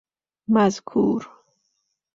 مذکور